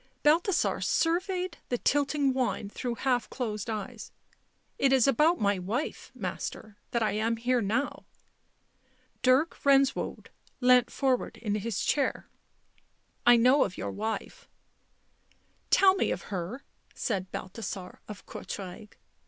Balthasar surveyed the tilting wine through half closed eyes. " It is about my wife, Master, that I am here now." Dirk Benswoude leant forward in his chair. " I know of your wife." " Tell me of her," said Balthasar of Courtrai.